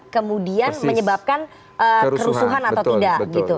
kemudian menyebabkan kerusuhan atau tidak